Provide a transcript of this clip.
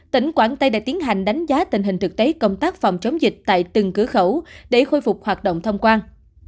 tỉnh quảng tây đã tiến hành đánh giá tình hình thực tế công tác phòng chống dịch tại từng cửa khẩu để khôi phục hoạt động thông quan